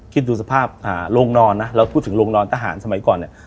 คิดดูสภาพโรงนอนนะเราพูดถึงโรงนอนทหารสมัยก่อนเนี่ย